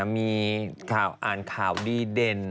มีอ่านข่าวดีเด่น